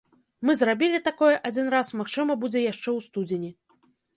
Мы зрабілі такое адзін раз, магчыма будзе яшчэ ў студзені.